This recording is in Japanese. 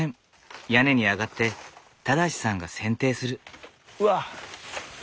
屋根に上がって正さんがせんていする。